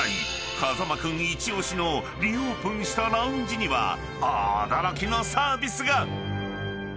［風間君一押しのリオープンしたラウンジには驚きのサービスが！］